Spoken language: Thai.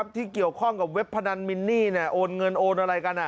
ที่เกี่ยวข้องกับเว็บพนันมินี้